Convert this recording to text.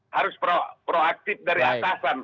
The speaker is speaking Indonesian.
harus proaktif dari atasan